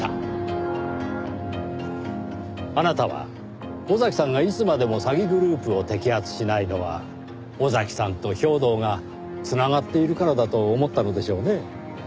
あなたは尾崎さんがいつまでも詐欺グループを摘発しないのは尾崎さんと兵頭が繋がっているからだと思ったのでしょうね。